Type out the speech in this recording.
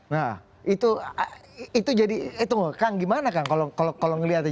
nah itu jadi itu kang gimana kang kalau ngelihatnya